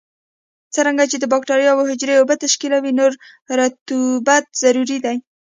څرنګه چې د بکټریاوو حجرې اوبه تشکیلوي نو رطوبت ضروري دی.